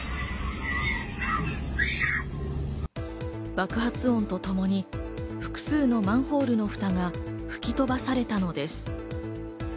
爆発音とともに複数のマンホールの蓋が吹き飛ばされたのです。